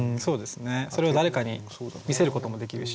それを誰かに見せることもできるし。